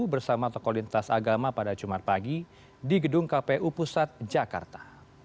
bersama tokoh lintas agama pada jumat pagi di gedung kpu pusat jakarta